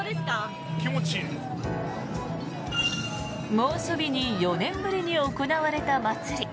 猛暑日に４年ぶりに行われた祭り。